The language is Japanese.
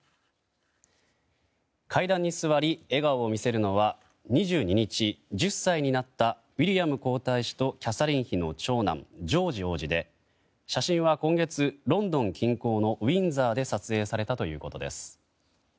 階段に座り、笑顔を見せるのは２２日、１０歳になったウィリアム皇太子とキャサリン妃の長男ジョージ王子で写真は今月ロンドン近郊のウィンザーで撮影されたということです。